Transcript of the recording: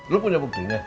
lo punya buktinya